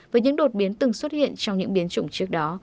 với những đột biến từng xuất hiện trong những biến chủng trước đó